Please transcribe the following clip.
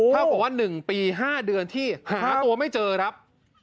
เท่ากับว่า๑ปี๕เดือนที่หาตัวไม่เจอครับ